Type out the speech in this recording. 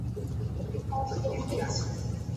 পথ তৈরিই আছে।